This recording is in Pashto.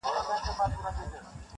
• ځکه مي دا غزله ولیکله -